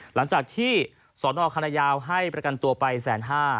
หลังจากที่สนคณะยาวให้ประกันตัวไป๑๕๐๐